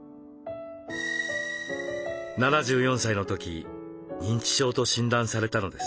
７４歳の時認知症と診断されたのです。